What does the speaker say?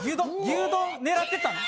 牛丼狙ってたの？